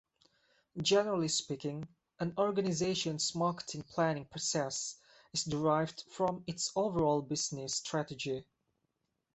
Generally speaking, an organisation's marketing planning process is derived from its overall business strategy.